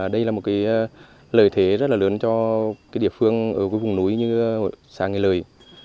đây là một lợi thế rất lớn cho địa phương ở vùng núi như xã nghĩa lợi